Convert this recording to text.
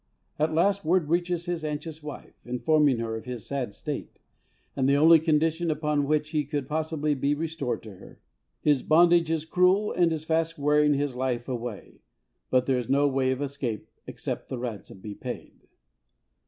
At last, word reaches his anxious wife, informing her of his sad state, and the only condition upon which he could possibly be restored to her. His bondage is cruel, and is fast wearing his life away, but there is no way of escape except the ransom be paid.